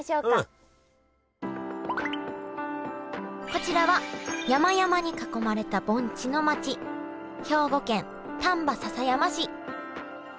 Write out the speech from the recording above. こちらは山々に囲まれた盆地の町兵庫県丹波篠山市。